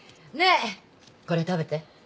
ねえこれ食べて。